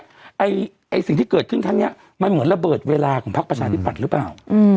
ไอ้สิ่งที่เกิดขึ้นครั้งนี้มันเหมือนระเบิดเวลาของพักประชาธิปัตย์หรือเปล่า